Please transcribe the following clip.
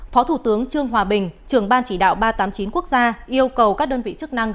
phó thủ tướng trương hòa bình trưởng ban chỉ đạo ba trăm tám mươi chín quốc gia yêu cầu các đơn vị chức năng